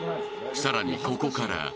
［さらにここから］